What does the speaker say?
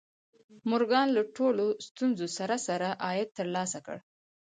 مورګان له ټولو ستونزو سره سره عاید ترلاسه کړ